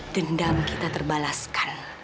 dendam kita terbalaskan